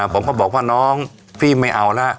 ผมก็บอกว่าน้องพี่ไม่เอาแล้ว